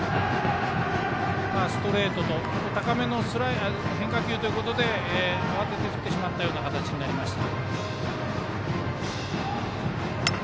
ストレートと高めの変化球ということで慌てて振ってしまった形でした。